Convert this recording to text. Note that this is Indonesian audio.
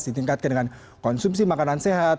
ditingkatkan dengan konsumsi makanan sehat